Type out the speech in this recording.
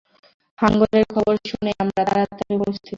হাঙ্গরের খবর শুনেই, আমরা তাড়াতাড়ি উপস্থিত।